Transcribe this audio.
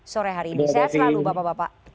sore hari ini saya selalu bapak bapak